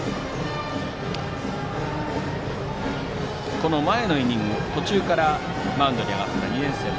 この前のイニングの途中からマウンドに上がった社のピッチャー